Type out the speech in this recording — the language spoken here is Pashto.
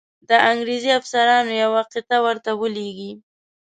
د انګرېزي افسرانو یوه قطعه ورته ولیږي.